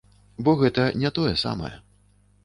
Бо гэта не тое самае.